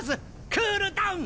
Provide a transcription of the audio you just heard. クールダウン！